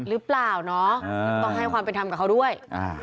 ต้องให้ความเป็นตามกับเขาด้วย